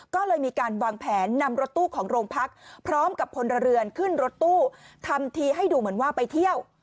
ก็เลยมีการวางแผนนำรถตู้ของโรงพักพร้อมกับพลเรือนขึ้นรถตู้ทำทีให้ดูเหมือนว่าไปเที่ยว